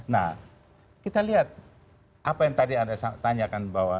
nah kita lihat apa yang tadi anda tanyakan bahwa